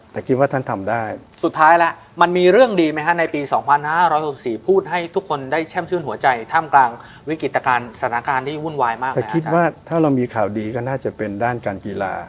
แต่คิดว่าท่านทำได้สุดท้ายแล้วมันมีเรื่องดีไหมฮะในปี๒๕๖๔พูดให้ทุกคนได้แช่มชื่นหัวใจท่ามกลางวิกฤตสถานการณ์ที่วุ่นวายมากแต่คิดว่าถ้าเรามีข่าวดีก็น่าจะเป็นด้านการกีฬา